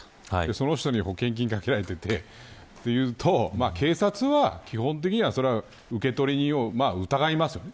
その人に保険金がかけられていてというと警察は基本的には受取人を疑いますよね。